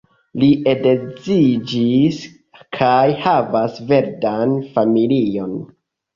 Li edziĝis kaj havas verdan familion.